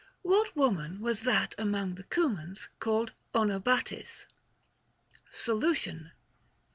What woman was that among the Cumans called Onobatis \ Solution.